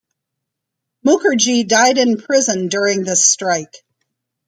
Mookerjee died in prison during this strike.